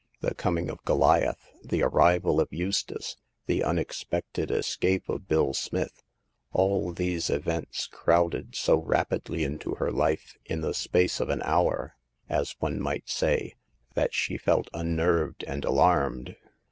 The coming of Goli ath, the arrival of Eustace, the unexpected es cape of Bill Smith — all these events crowded so rapidly into her life — in the space of an hour, as one might say — that she felt unnerved and alarmed.